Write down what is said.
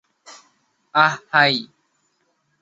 আহ, high.